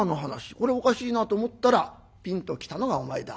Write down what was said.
これおかしいなと思ったらピンと来たのがお前だ。